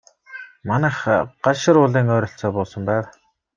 Манайх Галшар уулын ойролцоо буусан байв.